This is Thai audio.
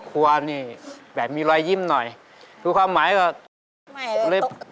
แล้วมีวิธีคลายเครียดอย่างไรได้ครับ